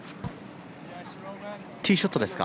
ティーショットですか？